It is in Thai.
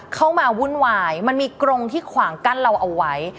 เข้ามาวุ่นวายมันมีกรงที่ขวางกั้นเราเอาไว้